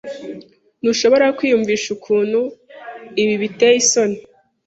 Ntushobora kwiyumvisha ukuntu ibi biteye isoni.